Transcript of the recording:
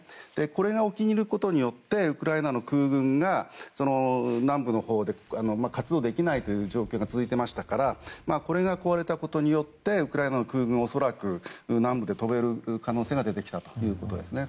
これが沖にいることによってウクライナの空軍が南部のほうで活動できない状況が続いていましたからこれが壊れたことによってウクライナの空軍は恐らく、南部で飛べる可能性が出てきたということですね。